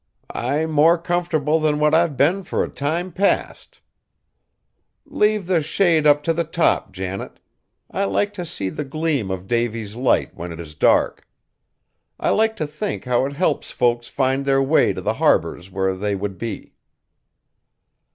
"I'm more comfortable than what I've been fur a time past. Leave the shade up t' the top, Janet; I like to see the gleam of Davy's Light when it is dark. I like t' think how it helps folks find their way to the harbors where they would be.